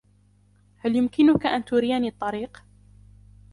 هل يمكنك ان تريني الطريق؟